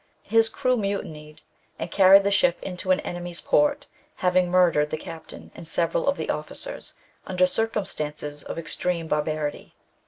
His crew mutinied, and car ried the ship into an enemy's port, having murdered the captain and several of the officers, under circumstances of extreme barbarity.